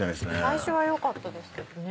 最初は良かったですけどね。